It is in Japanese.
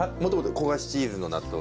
焦がしチーズの納豆。